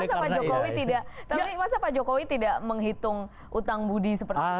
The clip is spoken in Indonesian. tapi masa pak jokowi tidak menghitung utang budi seperti